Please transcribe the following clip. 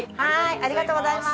ありがとうございます。